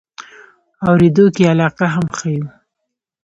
اورېدو کې یې علاقه هم ښیو.